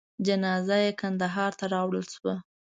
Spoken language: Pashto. جنازه یې کندهار ته راوړل شوه.